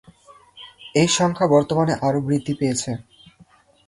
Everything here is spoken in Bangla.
এই সংখ্যা বর্তমানে আরও বৃদ্ধি পেয়েছে।